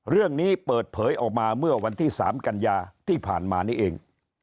เรื่องนี้เปิดเผยออกมาเมื่อวันที่๓กันยาที่ผ่านมานี่เอง